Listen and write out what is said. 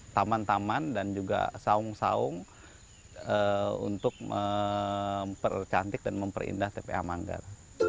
taman taman dan juga saung saung untuk mempercantik dan memperindah tpa manggar